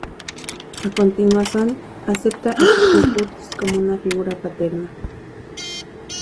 A continuación, acepta a su tío Curtis como una figura paterna.